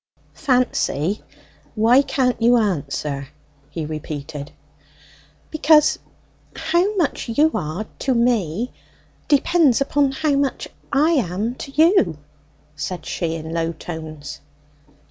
"Fancy, why can't you answer?" he repeated. "Because how much you are to me depends upon how much I am to you," said she in low tones.